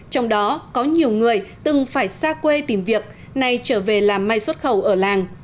trong đó có nhiều người từng phải xa quê tìm việc nay trở về làm may xuất khẩu ở làng